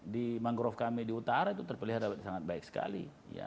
di mangrove kami di utara itu terpelihara sangat baik sekali